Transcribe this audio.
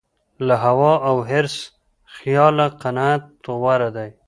له هوا او حرص خیاله قناعت غوره دی.